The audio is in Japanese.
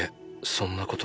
そんなこと